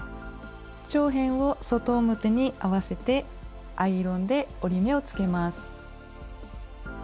長辺を外表に合わせてアイロンで折り目をつけます。